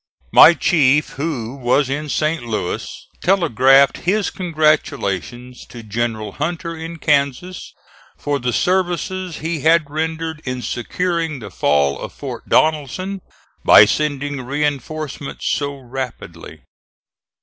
My chief, who was in St. Louis, telegraphed his congratulations to General Hunter in Kansas for the services he had rendered in securing the fall of Fort Donelson by sending reinforcements so rapidly.